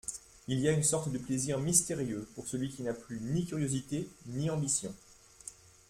Il y a une sorte de plaisir mystérieux pour celui qui n’a plus ni curiosité ni ambition.